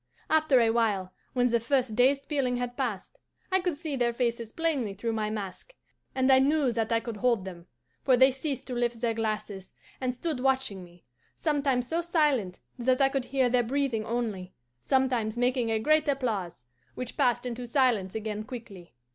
After a while, when the first dazed feeling had passed, I could see their faces plainly through my mask, and I knew that I could hold them; for they ceased to lift their glasses, and stood watching me, sometimes so silent that I could hear their breathing only, sometimes making a great applause, which passed into silence again quickly.